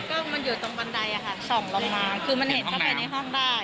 ก็มันอยู่ตรงบันไดอะค่ะส่องลงมาคือมันเห็นเข้าไปในห้องได้